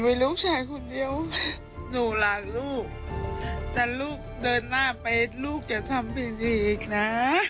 ไม่รู้ชายคุณเดียวหนูรักลูกแต่ลูกเดินหน้าไปลูกจะทำเป็นอย่างนี้อีกนะ